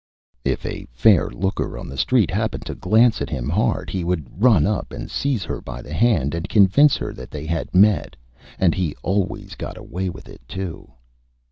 If a Fair Looker on the Street happened to glance at him Hard he would run up and seize her by the Hand, and convince her that they had Met. And he always Got Away with it, too.